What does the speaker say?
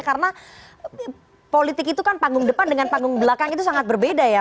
karena politik itu kan panggung depan dengan panggung belakang itu sangat berbeda ya